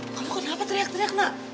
kamu kenapa teriak teriak nak